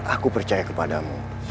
aku percaya kepada mu